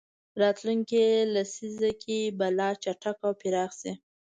راتلونکې لسیزه کې به لا چټک او پراخ شي.